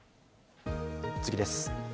次です。